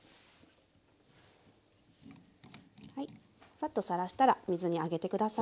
サッとさらしたらあげて下さい。